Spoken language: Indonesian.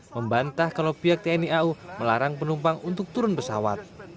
membantah kalau pihak tni au melarang penumpang untuk turun pesawat